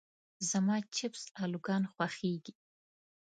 زما چپس الوګان خوښيږي.